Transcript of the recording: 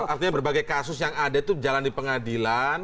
artinya berbagai kasus yang ada itu jalan di pengadilan